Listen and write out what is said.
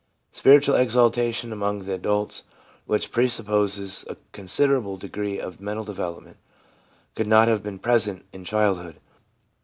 Spiritual exaltation among the adults, which presupposes a considerable degree of mental development, could not have been present in childhood.